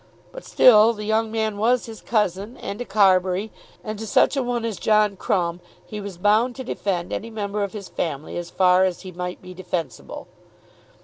But still the young man was his cousin and a Carbury, and to such a one as John Crumb he was bound to defend any member of his family as far as he might be defensible.